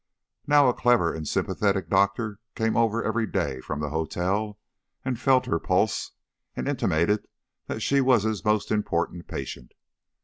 Now a clever and sympathetic doctor came over every day from the hotel and felt her pulse, and intimated that she was his most important patient.